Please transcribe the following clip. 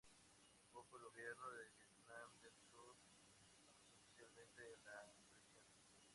Tampoco el gobierno de Vietnam del Sur acusó especialmente la presión.